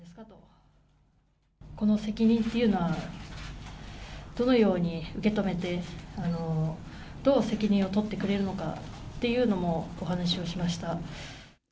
この責任っていうのは、どのように受け止めて、どう責任を取ってくれるのかっていうのもお話をしました。